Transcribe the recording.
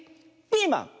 ピーマン。